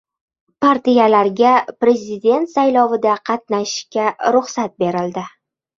Partiyalarga prezident saylovida qatnashishga ruxsat berildi